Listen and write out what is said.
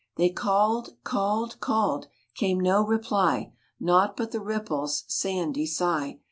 They called called called : Came no reply : Nought but the ripples' Sandy sigh.